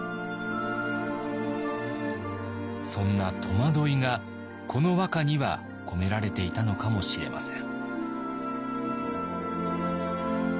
そんな戸惑いがこの和歌には込められていたのかもしれません。